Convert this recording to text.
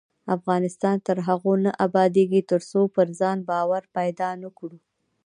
افغانستان تر هغو نه ابادیږي، ترڅو پر ځان باور پیدا نکړو.